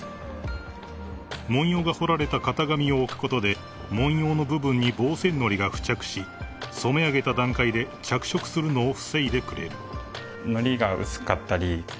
［文様が彫られた型紙を置くことで文様の部分に防染のりが付着し染め上げた段階で着色するのを防いでくれる］